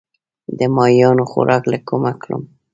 د ماهیانو خوراک له کومه کړم؟